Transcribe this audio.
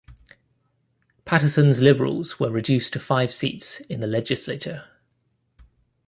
Patterson's Liberals were reduced to five seats in the Legislature.